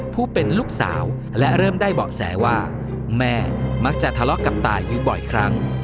ผู้เป็นลูกสาวและเริ่มได้เบาะแสว่าแม่มักจะทะเลาะกับตายอยู่บ่อยครั้ง